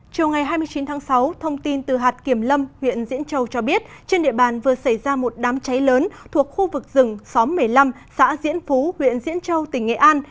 chiều ngày hai mươi chín tháng sáu thông tin từ hạt kiểm lâm huyện diễn châu cho biết trên địa bàn vừa xảy ra một đám cháy lớn thuộc khu vực rừng xóm một mươi năm xã diễn phú huyện diễn châu tỉnh nghệ an